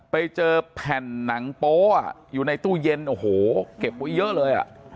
ไปเจอแผ่นหนังโป๊ะอยู่ในตู้เย็นโอ้โหเก็บไว้เยอะเลยอ่ะ